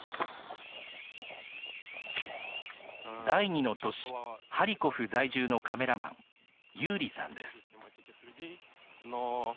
第２の都市、ハリコフ在住のカメラマン、ユーリさんです。